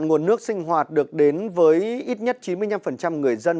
nguồn nước sinh hoạt được đến với ít nhất chín mươi năm người dân